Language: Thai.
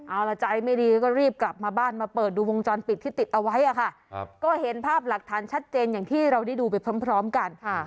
เอาละใจไม่ดีก็รีบกลับมาบ้านมาเปิดดูวงจรปิดที่ติดเอาไว้อะค่ะก็เห็นภาพหลักฐานชัดเจนอย่างที่เราได้ดูไปพร้อมกัน